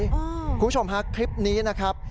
คุณผู้ชมฮะคลิปนี้นะครับ